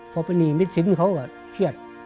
พ่อไปหนี้มีสินเขาเครียด